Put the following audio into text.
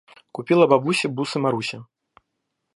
Купила бабуся бусы Марусе.